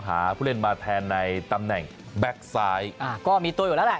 หาผู้เล่นมาแทนในตำแหน่งแบ็คซ้ายอ่าก็มีตัวอยู่แล้วแหละ